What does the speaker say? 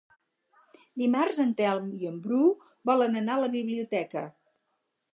Dimarts en Telm i en Bru volen anar a la biblioteca.